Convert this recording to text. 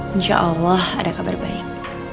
insya allah ada kabar baik